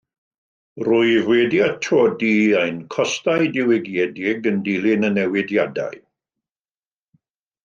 Rwyf wedi atodi ein costau diwygiedig yn dilyn y newidiadau